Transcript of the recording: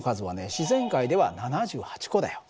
自然界では７８個だよ。